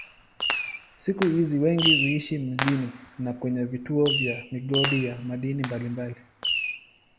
Siku hizi wengi huishi mjini na kwenye vituo vya migodi ya madini mbalimbali.